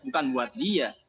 bukan buat dia